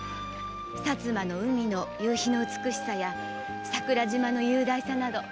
薩摩の海の夕日の美しさや桜島の雄大さなど。